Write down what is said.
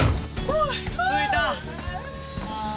着いた。